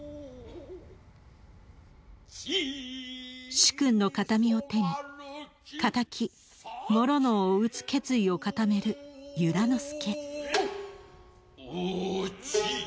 主君の形見を手に敵師直を討つ決意を固める由良之助。